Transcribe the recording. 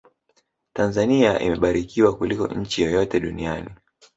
tanzania imebarikiwa kuliko nchi yoyote duniani